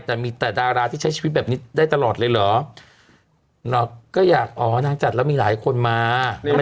แต่มีแต่ดาราที่ใช้ชีวิตแบบนี้ได้ตลอดเลยเหรอก็อยากอ๋อนางจัดแล้วมีหลายคนมา